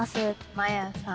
マヤさん。